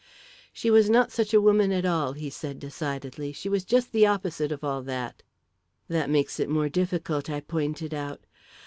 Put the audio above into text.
"She was not such a woman at all," he said decidedly. "She was just the opposite of all that." "That makes it more difficult," I pointed out.